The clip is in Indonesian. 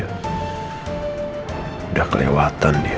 udah kelewatan dia